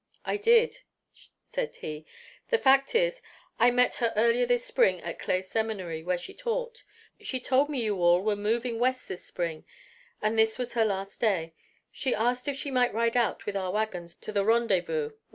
"I did," said he. "The fact is, I met her earlier this spring at Clay Seminary, where she taught. She told me you all were moving West this spring said this was her last day. She asked if she might ride out with our wagons to the rendezvous.